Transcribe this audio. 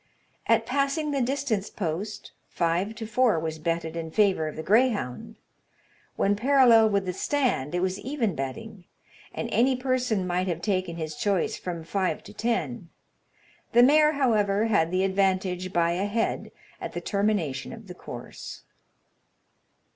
At passing the distance post, five to four was betted in favour of the greyhound; when parallel with the stand, it was even betting, and any person might have taken his choice from five to ten: the mare, however, had the advantage by a head at the termination of the course.